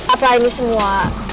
apa ini semua